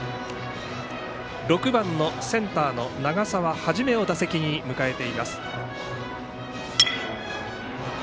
６番のセンターの長澤元を打席に迎えています。